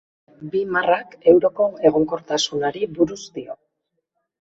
Bi marrak, euroko egonkortasunari buruz dio.